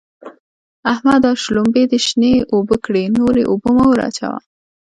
احمده! شلومبې دې شنې اوبه کړې؛ نورې اوبه مه ور اچوه.